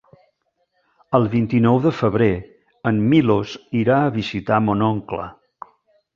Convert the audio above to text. El vint-i-nou de febrer en Milos irà a visitar mon oncle.